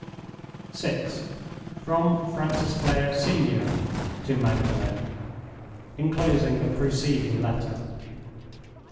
VI. From Francis Clare, Sen., to Magdalen. _Enclosing the preceding Letter.